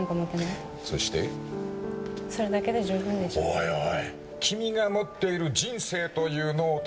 おいおい。